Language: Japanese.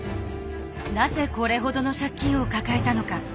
なぜこれほどの借金を抱えたのか。